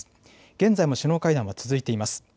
現在も首脳会談は続いています。